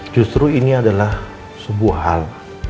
justru ini adalah sebuah hal